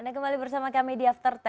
anda kembali bersama kami di after sepuluh